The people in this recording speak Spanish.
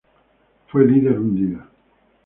Fue líder un día.